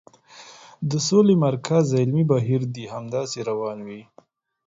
د سولې مرکز علمي بهیر دې همداسې روان وي.